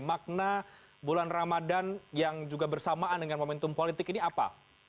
makna bulan ramadan yang juga bersamaan dengan momentum politik ini apa